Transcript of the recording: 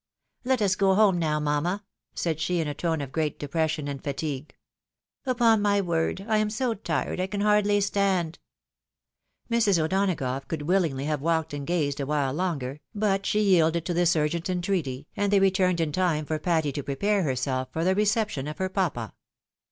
" Let us go home now, mamma," said she, in a tone of great depression and fatigue. " Upon my word I am so tired, I can hardly stand." Mrs. O'Donagough could willingly have walked and gazed a while longer, but she yielded to this urgent en treaty, and they returned in time for Patty to prepare herself for the reception of her papa.